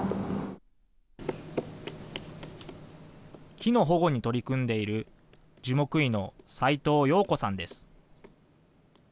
木の保護に取り組んでいる樹木医の斉藤陽子さんです。